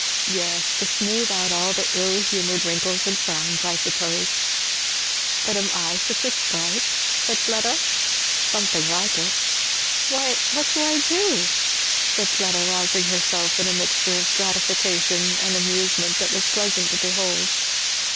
"Yes to smooth out all the ill humoured wrinkles and frowns, I suppose." "But am I such a sprite?" said Fleda. "Something like it." "Why what do I do?" said Fleda, rousing herself in a mixture of gratification and amusement that was pleasant to behold.